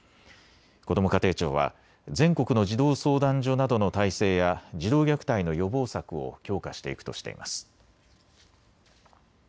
こども家庭庁は全国の児童相談所などの体制や児童虐待の予防策を強化していくとしています。